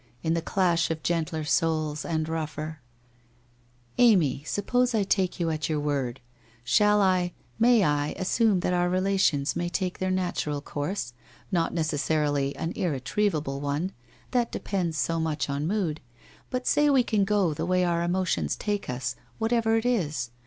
—" in the clash of gentler souls and rougher '"* Amy, suppose I take you at your word ? Shall I, may I assume that our relations may take their natural course, not necessarily an irretrievable one — that depends so much on mood — but say we can go the way our emotions take us, whatever it is?